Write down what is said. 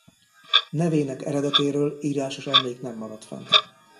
Nevének eredetéről írásos emlék nem maradt fönt.